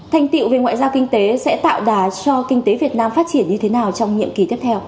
thành tiệu về ngoại giao kinh tế sẽ tạo đà cho kinh tế việt nam phát triển như thế nào trong nhiệm kỳ tiếp theo